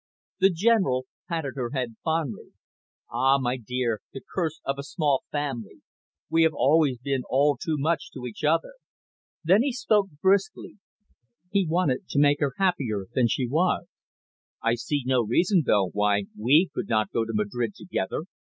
The General patted her head fondly. "Ah, my dear, the curse of a small family; we have always been all too much to each other." Then he spoke briskly; he waited to make her happier than she was. "I see no reason, though, why we could not go to Madrid together.